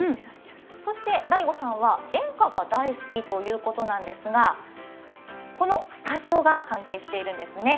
そして大吾さんは演歌が大好きということでこのスタジオが関係しているんですね。